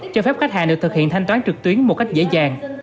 cho phép khách hàng được thực hiện thanh toán trực tuyến một cách dễ dàng